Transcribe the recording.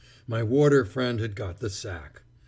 My warder friend had got the sack.